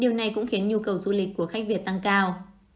điều này cũng khiến nhu cầu du lịch của khách việt tăng cao